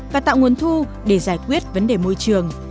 và tạo nguồn thu để giải quyết vấn đề môi trường